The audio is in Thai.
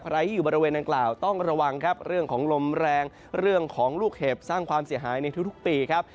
ใครที่อยู่บริเวณดังกล่าวต้องระวังครับเรื่องของลมแรงเรื่องของลูกเห็บสร้างความเสียหายในทุกปีครับ